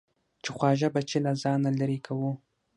چې خواږه بچي له ځانه لېرې کوو.